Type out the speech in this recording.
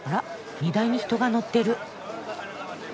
荷台に人が乗ってる。